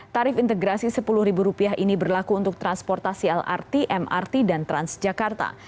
tarif integrasi rp sepuluh ini berlaku untuk transportasi lrt mrt dan transjakarta